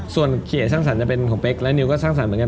ส่วนเป็นของเป๊กแล้วนิวก็สร้างสรรค์เหมือนกัน